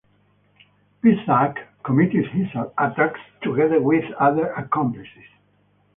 Pesach committed his attacks together with other accomplices.